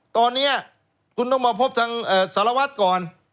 ตอนนี้คุณต้องมาพบทางสารวัตรก่อน